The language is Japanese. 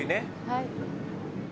はい。